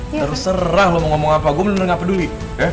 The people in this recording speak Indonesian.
terserah lo mau ngomong apa gue bener bener gak peduli